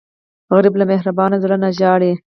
غریب له مهربان زړه نه ژاړي